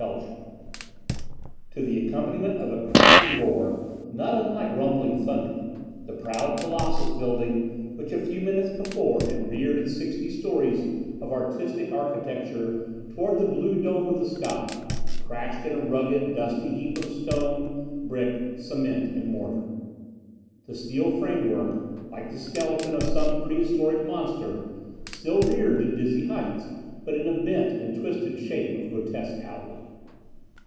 _] To the accompaniment of a crashing roar, not unlike rumbling thunder, the proud Colossus Building, which a few minutes before had reared its sixty stories of artistic architecture towards the blue dome of the sky, crashed in a rugged, dusty heap of stone, brick, cement and mortar. The steel framework, like the skeleton of some prehistoric monster, still reared to dizzy heights but in a bent and twisted shape of grotesque outline.